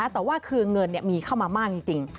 แต่ว่าคือเงินมีเข้ามามากจริง